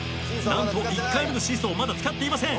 なんと１回目のシーソーまだ使っていません。